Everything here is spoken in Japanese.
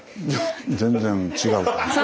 いや全然違うかな。